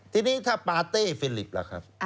ทีนี้ถ้าปาเต้ฟิลิปล่ะครับ